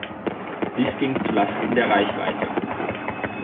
Dies ging zu Lasten der Reichweite.